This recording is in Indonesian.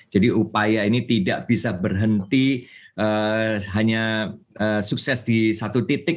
jadi upaya ini tidak bisa berhenti hanya sukses di satu titik